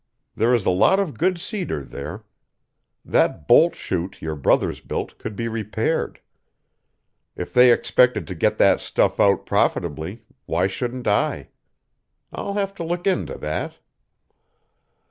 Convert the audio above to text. "There is a lot of good cedar there. That bolt chute your brothers built could be repaired. If they expected to get that stuff out profitably, why shouldn't I? I'll have to look into that."